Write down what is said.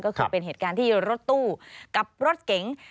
ก็คือเป็นเหตุการณ์ที่รถตู้กับรถเก๋ง